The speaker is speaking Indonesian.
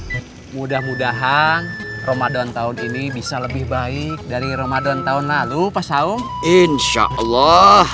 hai mudah mudahan ramadan tahun ini bisa lebih baik dari ramadan tahun lalu pasal insyaallah